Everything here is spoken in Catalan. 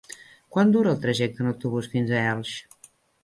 Quant dura el trajecte en autobús fins a Elx?